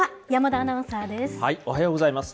おはようございます。